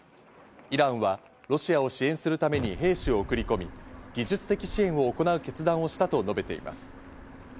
イランはロシアを支援するために兵士を送り込み、技術的支援を行う決断をしたと述べています。